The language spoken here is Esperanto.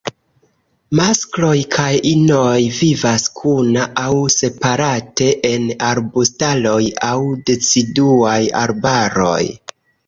Maskloj kaj inoj vivas kuna aŭ separate en arbustaroj aŭ deciduaj arbaroj.